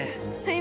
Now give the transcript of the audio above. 今。